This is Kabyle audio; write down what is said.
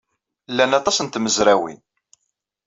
Lan aṭas n tmezrawin.